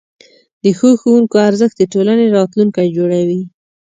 د ښو ښوونکو ارزښت د ټولنې راتلونکی جوړوي.